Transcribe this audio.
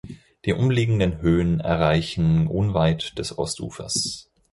Die umliegenden Höhen erreichen unweit des Ostufers.